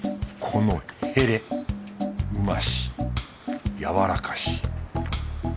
このヘレうましやわらかし。